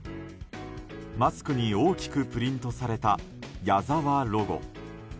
マスクに大きくプリントされた「ＹＡＺＡＷＡ」ロゴ。